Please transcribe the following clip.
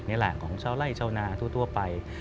นี่แหละของชาวไล่ชาวนาทั่วไป